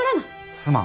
すまん。